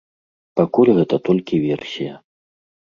Пакуль гэта толькі версія.